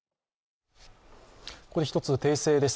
ここで１つ訂正です。